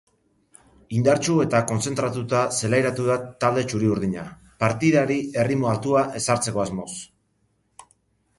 Indartsu eta kontzentratuta zelairatu da talde txuri-urdina, partidari erritmo altua ezartzeko asmoz.